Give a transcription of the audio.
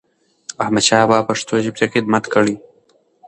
احمدشاه بابا پښتو ژبې ته خدمت کړی.